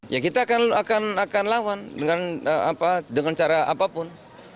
ya kita akan lawan dengan cara apapun